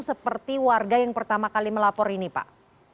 seperti warga yang pertama kali melapor ini pak